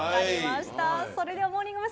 それではモーニング娘。